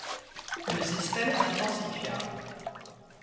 Le système s'intensifia.